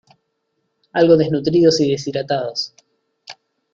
algo desnutridos y deshidratados